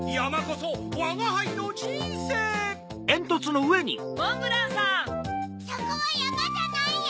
そこはやまじゃないよ！